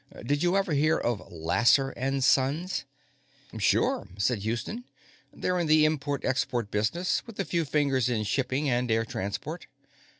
Did you ever hear of Lasser & Sons?" "Sure," said Houston. "They're in the import export business, with a few fingers in shipping and air transport."